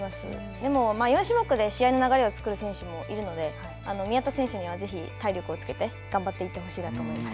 でも、４種目で試合の流れを作る選手もいるので、宮田選手にはぜひ、体力をつけて、頑張っていってほしいなと思います。